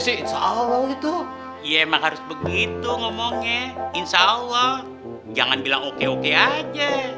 insya allah itu ya emang harus begitu ngomongnya insya allah jangan bilang oke oke aja